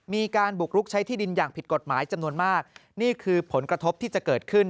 มีการบุกรุกใช้ที่ดินอย่างผิดกฎหมายจำนวนมากนี่คือผลกระทบที่จะเกิดขึ้น